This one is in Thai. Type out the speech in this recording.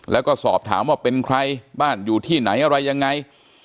แล้วก็สอบถามว่าเป็นใครบ้านอยู่ที่ไหนอะไรยังไง